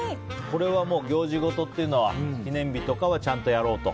これは行事ごととか記念日とかはちゃんとやろうと。